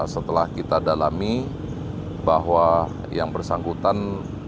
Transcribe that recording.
setelah kita dalami bahwa yang bersangkutan